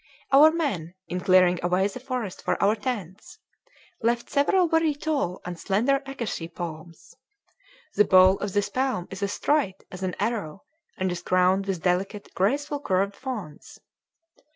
Our men, in clearing away the forest for our tents, left several very tall and slender accashy palms; the bole of this palm is as straight as an arrow and is crowned with delicate, gracefully curved fronds.